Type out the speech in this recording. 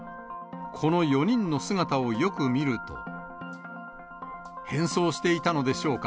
この４人の姿をよく見ると、変装していたのでしょうか。